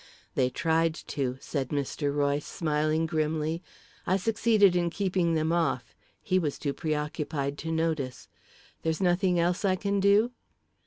"They tried to," said Mr. Royce, smiling grimly. "I succeeded in keeping them off. He was too preoccupied to notice. There's nothing else I can do?"